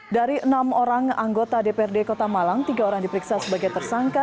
dari enam orang anggota dprd kota malang tiga orang diperiksa sebagai tersangka